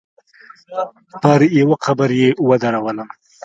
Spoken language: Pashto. پر يوه قبر يې ودرولم.